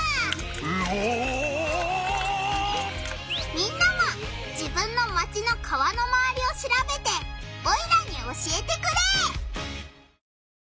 みんなも自分のマチの川のまわりをしらべてオイラに教えてくれ！